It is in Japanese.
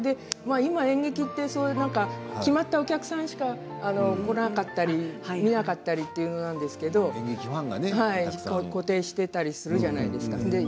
演劇は決まったお客さんしか来られなかったり見られなかったりということがありますけれど固定していたりするじゃないですか。